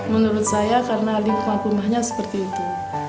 menurut saya karena lingkungan rumahnya seperti itu